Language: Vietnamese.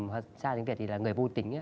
hoặc ra tiếng việt thì là người vô tính